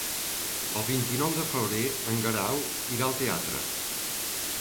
El vint-i-nou de febrer en Guerau irà al teatre.